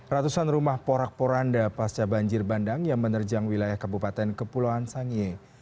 ratusan rumah porak poranda pasca banjir bandang yang menerjang wilayah kabupaten kepulauan sangihe